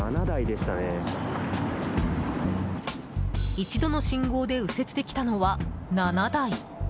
一度の信号で右折できたのは、７台。